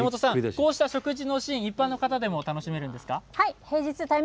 こういった食事のシーンは一般の方も楽しめるんですか。